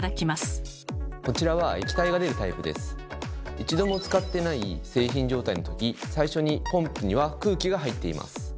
一度も使ってない製品状態の時最初にポンプには空気が入っています。